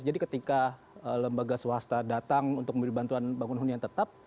jadi ketika lembaga swasta datang untuk memberi bantuan bangun hunian tetap